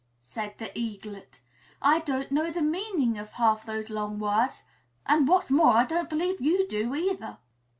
said the Eaglet. "I don't know the meaning of half those long words, and, what's more, I don't believe you do either!"